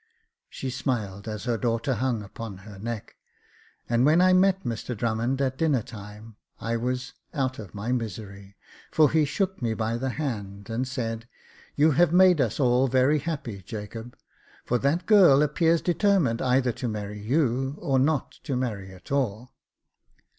She smiled as her daughter hung upon her neck ; and when I met Mr Drummond at dinner time I was " out of my misery," for he shook me by the hand, and said, " You have made us all very happy, Jacob j for that girl appears determined either to marry you or not to marry at all.